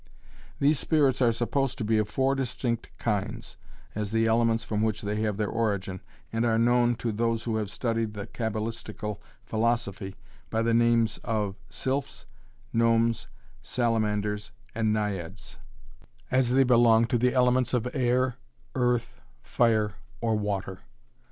These spirits are supposed to be of four distinct kinds, as the elements from which they have their origin, and are known, to those who have studied the cabalistical philosophy, by the names of Sylphs, Gnomes, Salamanders, and Naiads, as they belong to the elements of Air, Earth, Fire, or Water.